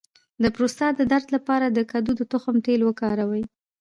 د پروستات د درد لپاره د کدو د تخم تېل وکاروئ